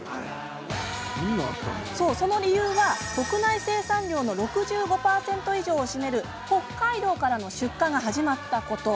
その理由は、国内生産量の６５％以上を占める北海道から出荷が始まったこと。